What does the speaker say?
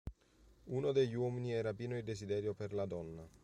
Uno degli uomini era pieno di desiderio per la donna.